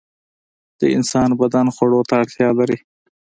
د انسان بدن خوړو ته اړتیا لري.